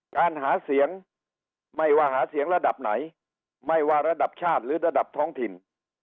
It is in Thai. การหาเสียงไม่ว่าหาเสียงระดับไหนไม่ว่าระดับชาติหรือระดับท้องถิ่น